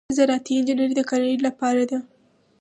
زراعتي انجنیری د کرنې لپاره ده.